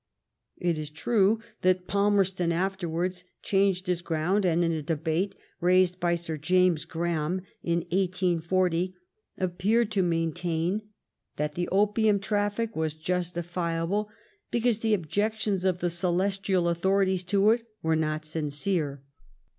It is true that Palmerston afterwards changed his ground, and, in a debate raised by Sir James Graham in 1840, appeared to maintain that the opium traffic was justifiable because the objections of the Celestial authorities to it were not sincere.